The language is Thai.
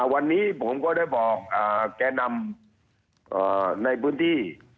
วันนี้ผมก็ได้บอกแก่นำในพื้นที่